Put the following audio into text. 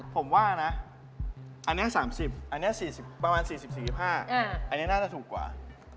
ผมว่านะอันนี้๓๐อันนี้ประมาณ๔๐๔๕อันนี้น่าจะถูกกว่า